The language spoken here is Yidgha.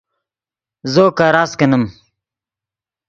زو کراست کینیم